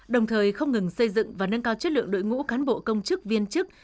đồng thời không ngừng xây dựng và nâng cao chất lượng đội ngũ cán bộ công chức viên chức